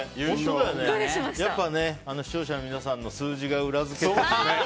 やっぱね、視聴者の皆さんの数字が裏付けてる。